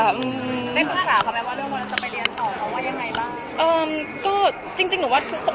ได้พูดภาษาเขาไหมว่าเราก็จะไปเรียนต่อเขาว่ายังไงบ้าง